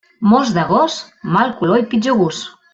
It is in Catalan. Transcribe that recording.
Most d'agost, mal color i pitjor gust.